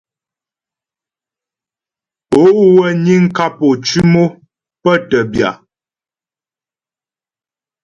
Ó wə́ niŋ kap ô cʉm o pə́ tə́ bya.